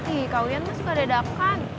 ih kawian mah suka dedakan